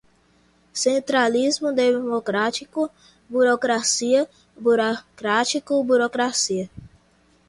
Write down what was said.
Centralismo democrático, burocracia, burocrático, burocrática